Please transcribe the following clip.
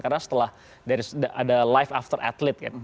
karena setelah ada life after athlete kan